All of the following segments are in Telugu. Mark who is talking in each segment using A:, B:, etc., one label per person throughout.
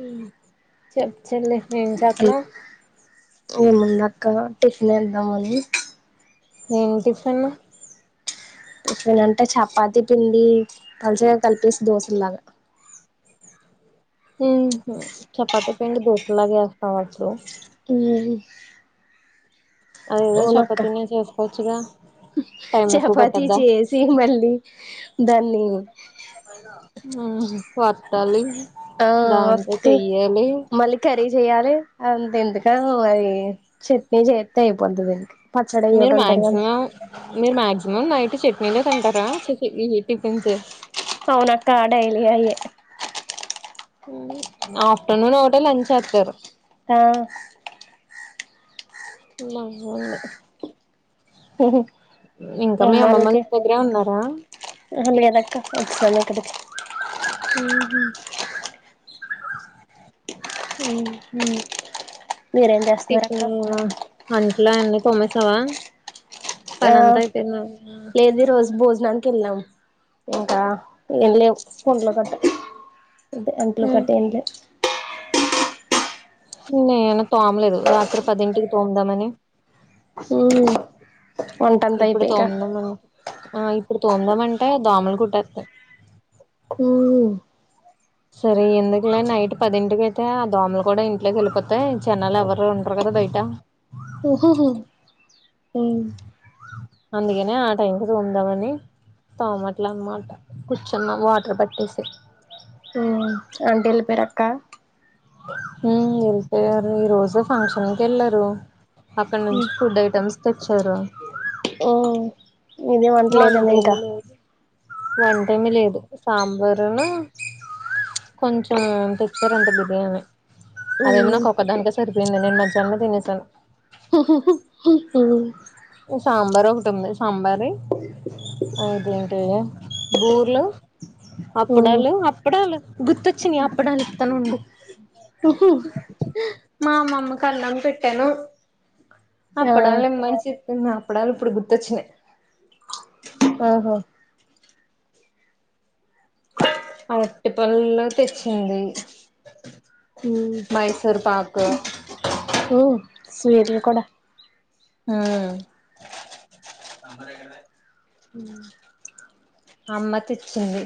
A: ము చెప్ చెల్లే ఏంచేత్నవ్
B: ఏముందాక్కడ టిఫన్ ఎద్దామని
A: ఎమ్ టిఫిన్ను
B: ఎట్లనంటే చపాతి పిండి పల్సగా కలిపేసి దోశలాగా
A: హ్మ్ చపాతి పిండి దోసలాగే ఎస్తావ ఇప్పుడు
B: హ్మ్
A: అదేదో చప్పతినె చేస్కోవచ్చుగా టైం ఎక్కువ పట్టద్దా
B: చేయమండి దాన్ని
A: హ్మ్ కొట్టాలి
B: ఆ అత్తు మళ్ళీక్ కర్రీ చేయాలె అంత ఎందుకని మరి చట్నీ చేత్తే అయిపోద్ధినికి పచ్చడి
A: మీరు
B: ఏయోటుంటాదగన్
A: మాక్సిమం మీరు మాక్సిమం నైట్ చట్నీలే తింటారా చి చి ఇ టిఫిన్స్ఏ
B: అవున్నే పాడైదిగాలే
A: ఆఫ్టర్నూన్ ఒకటే లంచ్ చెత్తరు
B: ఆ
A: [unintelligible]
B: ఉహు
A: ఇంకా మీ అమ్మమ్మల ఇంటి దగ్గరే ఉన్నారా
B: ఆహా లేదక్క అసలు కదు
A: ఉహు
B: ఉ మీరందర్
A: టిఫిన్ అంట్లన్నీ తొమేసావా పనంతయిపోయిందా
B: ఏన్ని రోజు భోజనాల్ తిన్నాం ఇంకా ఏం లేవు ఫోన్లో గట్ అంతే అంట్లు ఒకటే [unintelligible]
A: నేను తోమలేదు రాత్రి పదింటికి తోముదామని
B: ఉ వంటంత
A: ఇప్పుడు
B: అయిపేకా
A: తోముదామని ఆ ఇప్పుడు తోందాం అంటే దోమలు కుట్టెత్తయి
B: ఊ
A: సరే ఎందుకులే నైట్ పదింటికి అయితే ఆ దోమలు కూడా ఇంట్లోకి వెళ్ళిపోతాయి జనాలు ఎవరు ఉండరు కదా బయట
B: ఉహుహు ఉ
A: అందుకనే ఆ టైంకి తొందామని తోమట్లు అన్నమాట కూర్చున్న వాటర్ పట్టేసి
B: ఉ అంటే ఎల్లిపోయిరక్క
A: ఉ ఎల్లిపోయారు ఈ రోజు ఫంక్షన్కి వెళ్ళారు అక్కడి నుంచి ఫుడ్ ఐటెమ్స్ తెచ్చారు
B: ఉ ఇదే వంట్లేదేమో ఇంకా
A: వంటేమి లేదు సాంబారును కొంచెం తెచ్చారంట బిర్యానీ అదేమో
B: ఉమ్
A: నాకు ఒక్కదానికే సరిపోయింది నేను మధ్యానమే తినేసాను
B: ఉహు హూ హు ఉ
A: ఈ సాంబార్ ఒకటుంది సాంబారీ ఇంకేంటి బూర్లు
B: ఉమ్
A: అప్పుడాలు అప్పుడాళ్ళు గుర్తొచ్చినాయి అప్పుడాలు ఇత్తను ఉండు
B: ఉహు
A: మామమ్మ కు అన్నం పెట్టాను
B: ఆ
A: అప్పడాలే మచి నిన్న అప్పడాలు ఇప్పుడు గుర్తొచ్చిన్నయి
B: ఆహా
A: అరటి పళ్ళు తెచ్చింది మైసూర్ పాకు
B: ఉ స్వీట్లు కూడా
A: ఊ
B: ఉ
A: అమ్మ తెచ్చింది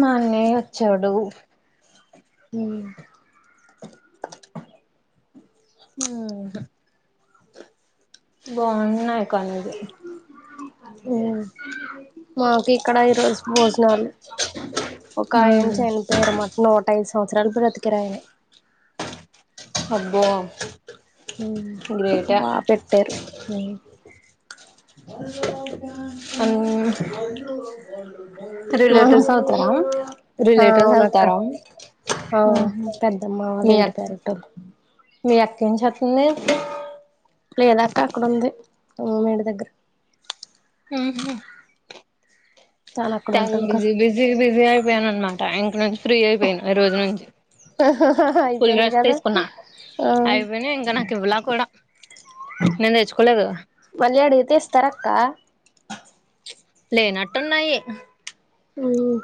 A: మా అన్నయ్య ఒచ్చాడు
B: ఉ
A: ఇంకా బాగున్నాయి కానీది
B: ఉ మాకి ఇక్కడ ఈరోజు భోజనాలు ఒక ఎం
A: ఉమ్
B: చెయన్ పేరు మట్ నూట ఐదు సంవత్సరాలు బ్రతికారు ఆయన
A: అబ్బో
B: ఉమ్
A: గ్రేటే
B: బాపెట్టారు ఉమ్
A: అని
B: మనం
A: రిలేటివ్స్ అవుతారా
B: ఆ
A: రిలేటివ్స్
B: అవునక్క
A: అవుతారా
B: ఆ పెద్దమ్మా వాళ్ల ఇంటి పేరటోళ్లు
A: మీ అక్కేం చేత్తుంది
B: లేదాక్క అక్కడ ఉంది మేడి దగ్గర
A: మ్మ్ఉహ్మ్
B: తాను అక్కడ
A: చాలా
B: ఉంటది కదా
A: బిజీ బిజీ బిజీ అయిపోయాను అనమాట ఇంక నుంచి ఫ్రీ అయిపోయిన ఈరోజు నుంచి ఫుల్
B: అయిపోయినాయి
A: రెస్ట్
B: కదా
A: తీసుకున్నా
B: ఆ
A: అయిపోయినా ఇంకా నాకు ఇవ్వలా కూడా నేను తెచ్చుకోలే కదా
B: మళ్లీ అడిగితే ఇస్తారక్క
A: లేనట్టున్నాయి
B: ఉమ్మ్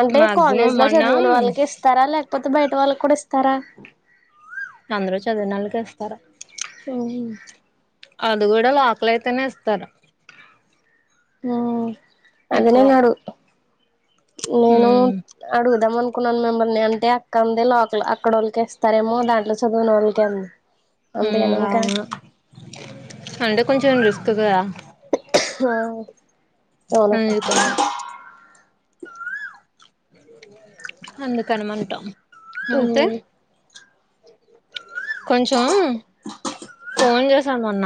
B: అంటే
A: మాక్సిమం
B: కాలేజ్‌లో
A: మొన్న
B: చదివిన వాళ్ళకి ఇ స్తారా లేకపోతే బయట వాళ్ళకి కూడా ఇస్తారా
A: అందరూ చదివిన వాళ్ళకే ఇస్తారు
B: ఓహో
A: అది కూడా లోకల్ అయితేనే ఇస్తారు
B: ఓ అందినే
A: ఎక్కువ
B: నాడు నేను
A: ఉమ్
B: అడుగుదాం అనుకున్నాను మిమ్మల్ని అంటే అక్కంది లోకల్ అక్కడోళ్ళకే ఇస్తారేమో దాంట్లో చదివిన వొళ్ళకే అంది అంతేనా
A: ఉమ్మ్
B: ఇంకా
A: అవును అంటే కొంచెం రిస్క్ కదా
B: ఆ అవునక్క
A: అందుకనే అందుకని మంట అంతే
B: మ్మ్
A: కొంచెం ఫోన్ చేశా మొన్న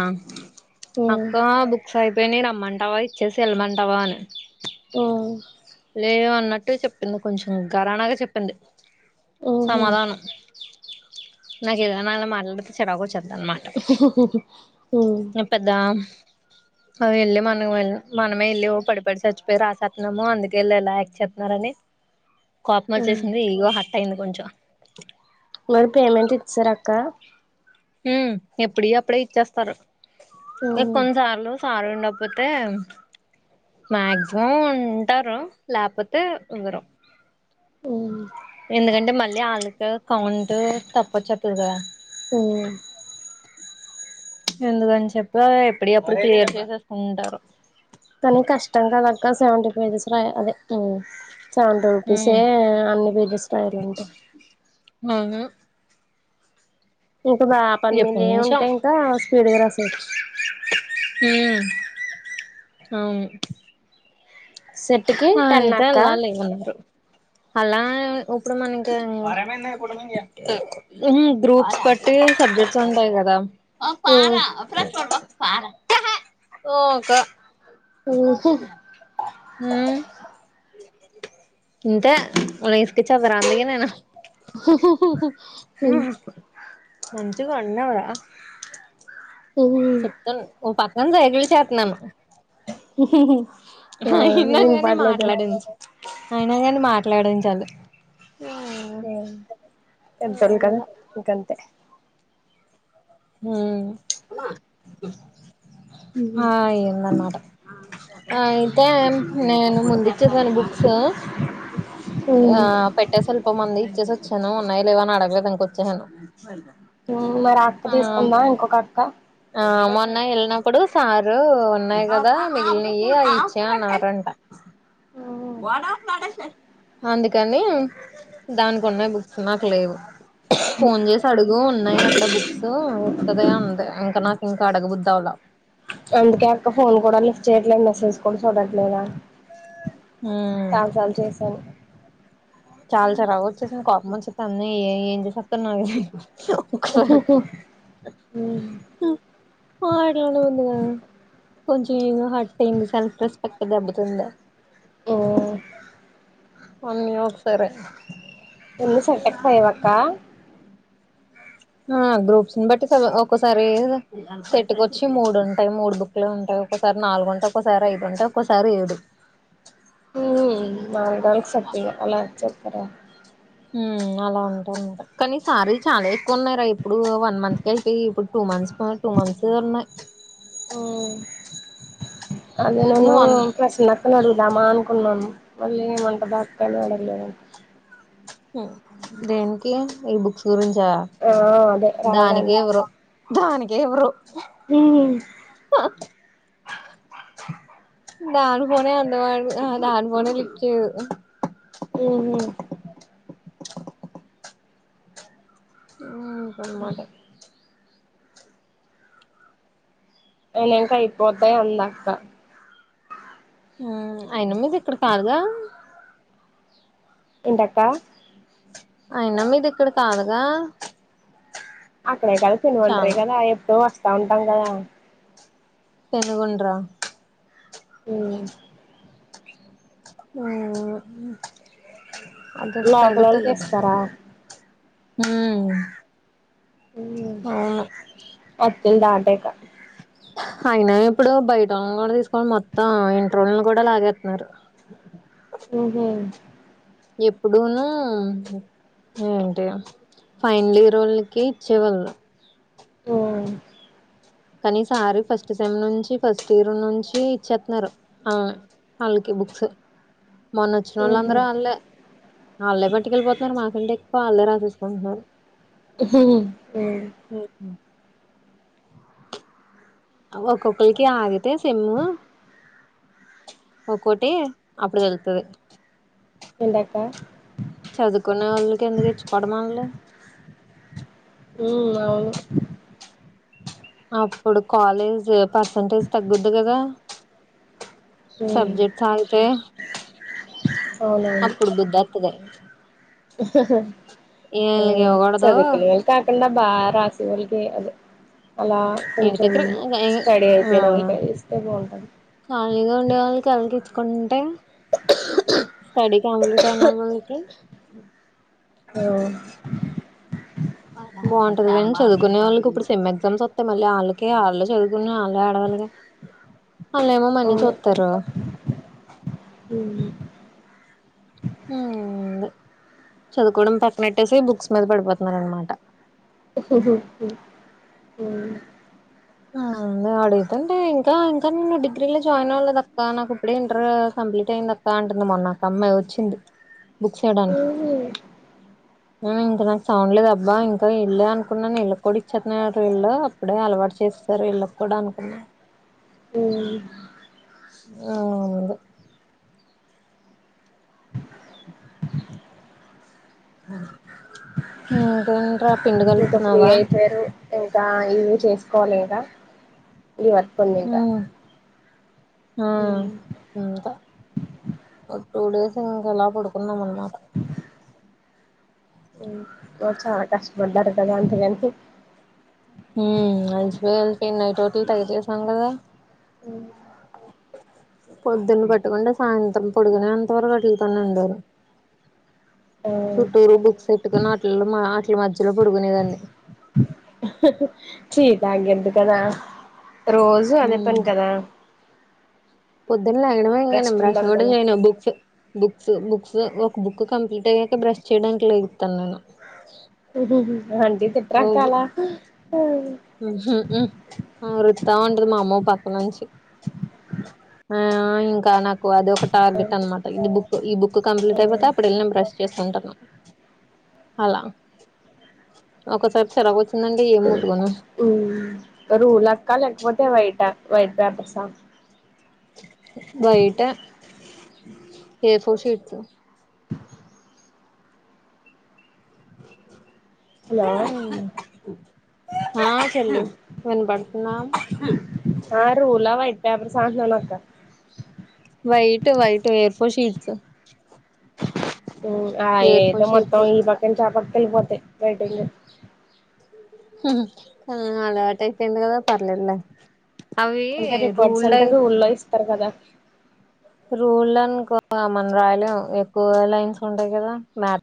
B: మ్మ్
A: అక్క బుక్స్ అయిపోయినాయి రమ్మంటావా ఇచ్చేసి ఎళ్ళమంటావా అని
B: ఆహ్
A: లేదు అన్నట్టు చెప్పింది కొంచెం ఘరానాగా చెప్పింది
B: మ్హు
A: సమాధానం నాకేదన్న అలా మాట్లాడితే చిరాకు వచ్చేద్ది అన్నమాట
B: ఆ
A: నీ పెద్ద అదేళ్ళే మనవేన్ మనమే ఎళ్ళి ఓ పడిపడి సచ్చిపోయి రాసేత్తున్నాము అందు కే ఇళ్ళు ఇలా ఎక్ చేత్తున్నారని కోపం
B: మ్మ్
A: వచ్చేసింది ఇగో హట్ అయింది కొంచెం
B: మీరు పేమెంట్ ఇచ్చేసారా అక్క
A: ఉమ్మ్ ఎప్పుడుయి అప్పుడే ఇచ్చేస్తారు ఇంగ
B: మ్మ్
A: కొన్నిసార్లు సారు ఉండక్పోతే మాక్సిమం ఉంటారు లేపోతే ఇవ్వరు
B: ఉమ్
A: ఎందుకంటే మళ్ళీ ఆళ్ళకు కౌంట్ తప్పు వచ్చేత్తది కదా
B: ఆ
A: ఎందుకని చెప్పి ఎప్పుడియి అప్పుడు క్లియర్ చేసేసుకుంటారు
B: కానీ కష్టం కదక్కా సెవెంటీ పేజీస్ రాయ అదే ఉమ్ చంట రూపీసే
A: ఉమ్
B: అన్ని బిజెస్ [unintelligible] రాయలు ఉంటాయి
A: అవునా
B: ఇంకా బా ఆ పని
A: ఎప్పటి
B: మీద ఉంటే ఇంకా స్పీడ్గా రాసేయచ్చు
A: ఉం అవును
B: సెట్ కి
A: ఆ
B: టెన్
A: అయితే
B: అక్క
A: ఎలాలి ఇగ అందరు అలా ఒప్పుడు మనకి ఉం గ్రూప్స్ బట్టి సబ్జెక్ట్స్ ఉంటాయి కదా
B: ఓ
A: ఓక
B: ఓసి
A: ఇంతే ఉ [unintelligible] ఇసుకిచ్చ రాందిగా నేనా
B: [inaudible]
A: మంచిగా ఉన్నావరా
B: మ్మ్
A: చెప్తాను ఓ పక్కన సైగల్ చేస్తున్నను
B: ఆ
A: విన్న కానీ
B: వినపడలేదు
A: మాట్లాడించ అయినా కాని మాట్లాడిచాలి ఉం
B: ఆ ఎంతల్ గ ఇకంతే [unintelligible]
A: ఉం ఆ ఏందనా మాట ఆ అయితే నేను ముందు ఇచ్చేసేను బుక్స్ ఆ పెట్టేసి వెళ్ళి పోమంది ఇచ్చేసి వచ్చాను ఉన్నాయి లేవ అని అడగలేదు ఇంక వచ్చేసాను
B: ఉం మరి అక్క తీసుకుందా ఇంకొక అక్క
A: ఆ మొన్న వెళ్ళినప్పుడు సారు ఉన్నాయి కదా మిగిలినవి అవి ఇచ్చే అన్నారట వడా నడేషె [unintelligible] అందుకని దాని ఉన్నాయి బుక్స్ నాకు లేవు ఫోన్ చేసి అడుగు ఉన్నాయి అక్కడ బుక్స్ ఇస్తది అంది ఇంకా నాకు ఇంకా అడగబద్దావులా
B: అందుకే అక్క ఫోన్ కూడా లిఫ్ట్ చేయట్లేదు మెసేజ్ కూడా చూడట్లేదా
A: ఉమ్
B: చాలాసార్లు చేసాను
A: చాలా చిరాక్ వచ్చేసాను కోపమంచి [unintelligible] చెస్త అన్న ఏం చేసేస్త నా మాట్లా ఉన్న ఉందిగా [unintelligible] కొంచం ఇగో హట్ అయింది సెల్ఫ్ రెస్పెక్ట్ దెబ్బ తింది
B: ఓ
A: అన్ని ఒక సారే
B: ఎన్ని సెటక్ పోయవక్క [unintelligible]
A: ఆ గ్రూప్స్ని బట్టి ఒక్కసారి సేట్కొచ్చి మూడుంటాయి మూడు బుక్లు ఉంటాయి ఒక్కోసారి నాలుగుంటాయి ఒక్కోసారి ఐదు ఉంటాయి ఒక్కోసారి ఏడు
B: మాలుగాలు సప్ప అలా వచ్చక్కార [unintelligible]
A: ఉం అలా ఉంటారంట కానీ సారిలు చాలా ఎక్కువ ఉన్నాయిర ఇప్పుడు వన్ మంత్ కి అయిపోయి ఇప్పుడు టూ మంత్స్ ఆ టూ మంత్స్ ఉన్నాయి
B: ఉం అదే
A: నువ్వు
B: నను
A: వన్
B: ప్రశ్న అక్కని అడుగుదామా అనుకున్నాము మళ్ళీ ఏమంటధో అక్క అని అడగలేదు
A: ఉం దేనికి ఈ బుక్స్ గురించ
B: ఆ అదే
A: దానికి
B: రాయడానికి
A: ఇవ్వరూ దానికె ఇవ్వరూ
B: ది
A: దారు పోనే అందవాడు ఆ దాని ఫోనే లిఫ్ట్ చేయదు
B: ఉహు
A: ఊ అనుమాట
B: నేను ఇంకా అయిపోతాయి అందక్క
A: ఉ అయినా మీది ఇక్కడ కాదుగా
B: ఏంటక్క
A: అయినా మీది ఇక్కడ కాదుగా
B: అక్కడే కదా తినువంటరు
A: చాలా
B: కదా ఎప్పుడో వస్తా ఉంటాం కదా
A: పెనుగొండ రా
B: ఉ
A: ఉహు
B: లోకలొల్కి ఇస్తారా
A: ఉ అవును
B: ఒత్తుల్ దాటాకా
A: అయినా ఇప్పుడు బయట కూడా తీసుకోనీ మొత్తం ఇంటరోళ్ళని కూడా లాగేత్తున్నారు
B: ఉహు
A: ఎప్పుడును అంతేగా ఫైనల్ ఇయరోళ్ళకి ఇచ్చేవాళ్ళు
B: ఊ
A: కానీ ఈసారి ఫస్ట్ సెమ్ నుంచి ఫస్ట్ ఇయర్ నుంచి ఇచ్చేతున్నారు ఉ వాళ్ళకి బుక్స్ మొన్న వచ్చినోళ్ళు
B: ఉహు
A: అందరు వాళ్ళే వాళ్ళే పట్టుకెళ్ళిపోతున్నారు మాకంటే ఎక్కువ వాళ్ళే రాసేసుకుంటున్నారు
B: ఉహు హు
A: ఉహు ఆ ఒక్కొక్కలకి ఆగితే ఏం సెమ్ ఒక్కోటి అప్పుడు తెలుతది
B: ఏంటక్క
A: చదువుకునే వాళ్ళకి ఎందుకు ఇచ్చుకోవడం వాళ్లు
B: ఉ అవును
A: అప్పుడు కాలేజ్ పర్సంటేజ్ తగ్గుద్ది కదా సబ్జెక్ట్ చాలతే
B: అవునవును ఉ
A: ఈళ్ళకి ఇవ్వకూడదు
B: చదువు పిల్లలకి కాకుండా బా రాసే వాల్కి ఇయ్యాలి అలా
A: ఇంటి
B: కొంచెం
A: దగ్గర
B: స్టడీ అయిపోయిన వాళ్ళకి ఇస్తే బాగుంటది
A: కాళీగా ఉండేవాళ్ళుకిళ్ళు ఇచ్చుకుంటే స్టడీ కంప్లీట్ అయిన వాళ్ళకి
B: ఉ
A: బాగుంటది కాని చదువుకునే వాళ్ళకి ఇప్పుడు సెమ్ ఎగ్జామ్స్ వత్తాయి మళ్ళీ వాళ్ళకి ఆల్లే చదువుకునే వాళ్ళు ఆడవాలిగ వాళ్ళు ఏమో మనీ చూత్తరు
B: ఉ
A: ఏందో చదువుకోవడం పక్కన పెట్టేసి బుక్స్ మీద పడిపోతున్నారు అనమాట
B: ఉహు ఓ
A: వాడు ఎతంటే ఇంకా ఇంకా నేను డిగ్రీల్లో జాయిన్ అవ్వలేదక్క నాకు ఇప్పుడే ఇంటర్ కంప్లీట్ అయిందిక్క కంటునమొన్న ఒక ఒమ్మాయి ఒచ్చింది బుక్ చేయ్డానికి
B: ఉహు
A: ఉ ఇంకా నాకు చౌంలేదు అబ్బా ఇంకా ఇల్లే అనుకున్నాను ఇల్లక్కుడా ఇచ్చేత్నాట ఇళ్లు ఇప్పుడే అలవాటు చేస్తారు ఇళ్ళకి కూడా అనుకున్న
B: ఊ
A: ఆ ఇంకా ర పిండుగా
B: ఇంకా ఫ్రీ అయిపోయారు ఇంకా ఎన్ చేస్కోలేదా ఈ వత్కని వాయ్ రా
A: ఆ ఇంకా ఒక టూ డేస్ ఇంకా ఎలా పడుకున్నాం అన్మాట
B: ఒ చాలా కష్టపడ్డాడు కదా [unintelligible]
A: ఉ అల్సిపోయ అల్కి నైట్ ఔటు తేగ తేసాం కదా పొద్దున్న పట్టుకుంటే సాయింత్రం పొడుకునే అంతవర్కు అటితోనే ఉండాలి చుట్టూరు బుక్స్ ఎట్టుకున్న అట్లల్లో మా అట్లు మజ్యలో బడుకునేదాంన్ని
B: చీత గెదు కదా రోజూ అదే పని కదా
A: పొద్దున్ లేగడమే ఇంగ నేన్
B: రెస్ట్
A: బ్రాషూ
B: ఉండదు
A: గూడా
B: కదా
A: జెను బుక్స్ బుక్స్ బుక్స్ ఒక బుక్కు కంప్లీట్ అయ్యాక బ్రష్ చేయ్డానికి లేగుతన్నను
B: అంటీ తిట్ట్రాకాల
A: అరూత్తావుంటది మా అమ్మ ఒ పక్క నుంచి ఆ ఇంకా నా అది ఒక టార్గెట్ అన్మాట ఇన్ని బుక్ ఈ బుక్కు కంప్లీట్ అయిపోతే అప్పుడు ఎల్లి నేన్ ప్రశ్ చేస్తుంటాన్నా అలా ఒకసారి చేరవోచ్ కున్నంక్కా ఏంముట్టుకోన
B: ఊ రూలాక్క లేక్పోతే వైటా వైట్ పేపర్సా
A: బైటా ఏ ఫోర్ షీట్సు
B: హలో
A: ఆ చెల్లి విన్పడ్తున్నా
B: ఆ రూలా వైట్ పేపర్సా అంట్ననక్క
A: white white A fours sheets
B: ఉ ఆ ఏదో మొత్తం ఈ పక్కంచి ఆపక్క కేల్పోతే బైటిల్లు
A: ఉ అల్వాటేపెంది గదా పర్లేదు లే అవీ రూల్ డెన్
B: తర్ గద
A: రూల్ డాన్కో మన్రాలు ఎక్కువ లైన్స్ ఉంటే గదా మ్యా